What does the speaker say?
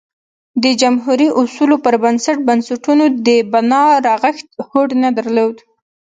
د جمهوري اصولو پر بنسټ بنسټونو د بیا رغښت هوډ نه درلود